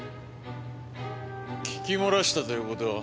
聞き漏らしたという事は？